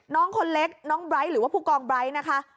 น้องคนเล็กน้องไบร์ทหรือว่าผู้กองไบร์ทนะคะ